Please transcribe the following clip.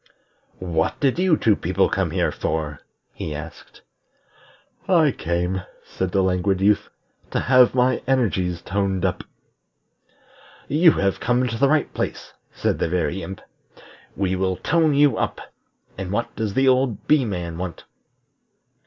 "What did you two people come here for?" he asked. "I came," said the Languid Youth, "to have my energies toned up." "You have come to the right place," said the Very Imp. "We will tone you up. And what does that old Bee man want?"